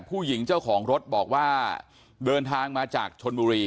ผู้หญิงเจ้าของรถบอกว่าเดินทางมาจากชนบุรี